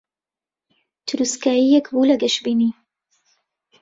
تروسکایییەک بوو لە گەشبینی